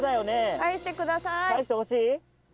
返してください。